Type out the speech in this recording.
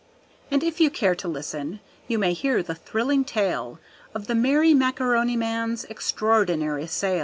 And if you care to listen, you may hear the thrilling tale Of the merry Macaroni Man's extraordinary sail.